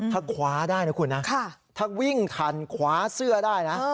ถ้าคว้าได้นะคุณนะถ้าวิ่งทันคว้าเสื้อได้นะ